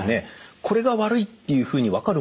これが悪いっていうふうに分かるものなんですか？